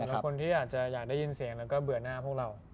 กับคนที่อยากจะอยากได้ยินเสียงแล้วก็เบื่อหน้าพวกเรา